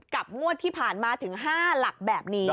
งวดที่ผ่านมาถึง๕หลักแบบนี้